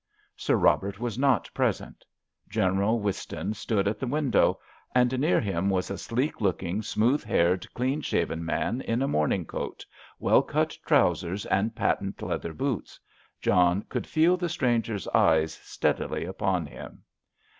Sir Robert was not present. General Whiston stood at the window, and near him was a sleek looking, smooth haired, clean shaven man in a morning coat, well cut trousers and patent leather boots. John could feel the stranger's eyes steadily upon him.